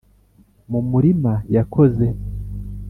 mu murima yakoze